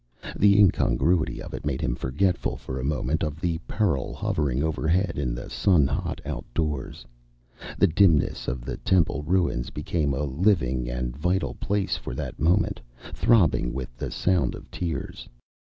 The incongruity of it made him forgetful for a moment of the peril hovering overhead in the sun hot outdoors. The dimness of the temple ruins became a living and vital place for that moment, throbbing with the sound of tears.